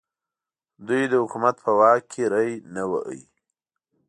دوی د حکومت په واک کې ری نه واهه.